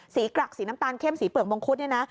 กรักสีน้ำตาลเข้มสีเปลือกมงคุดเนี่ยนะ